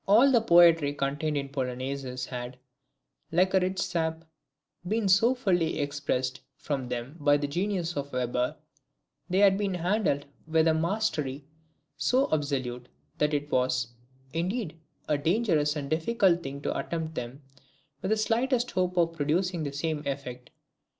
All the poetry contained in the Polonaises had, like a rich sap, been so fully expressed from them by the genius of Weber, they had been handled with a mastery so absolute, that it was, indeed, a dangerous and difficult thing to attempt them, with the slightest hope of producing the same effect.